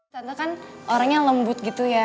contoh kan orangnya lembut gitu ya